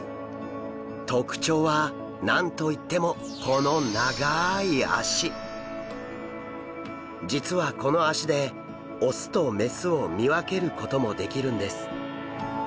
特徴は何と言ってもこの実はこの脚で雄と雌を見分けることもできるんです。